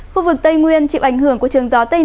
khu vực tây nguyên chịu ảnh hưởng của trường gió tây